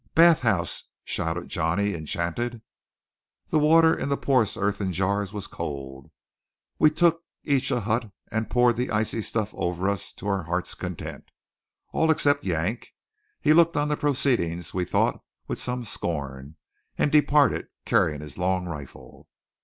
"Bath house!" shouted Johnny, enchanted. The water in the porous earthen jars was cold. We took each a hut and poured the icy stuff over us to our heart's content. All except Yank. He looked on the proceedings we thought with some scorn; and departed carrying his long rifle.